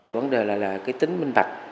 vấn đề là tính minh bạch